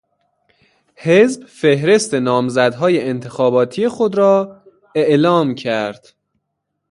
حزب فهرست نامزدهای انتخاباتی خود را اعلام کرد.